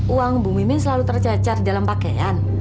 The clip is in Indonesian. uang bu mimin selalu tercacar dalam pakaian